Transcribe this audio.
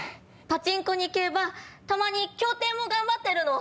パチンコに競馬たまに競艇も頑張ってるの。